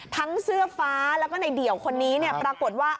เสื้อฟ้าแล้วก็ในเดี่ยวคนนี้ปรากฏว่า